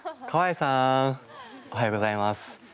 川栄さんおはようございます。